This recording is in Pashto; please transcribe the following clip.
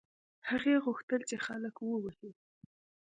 هغې غوښتل چې خلک ووهي.